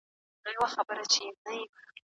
علمي پلټني باید په ټاکلو معیارونو ترسره سي.